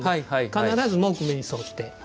必ず木目に沿って。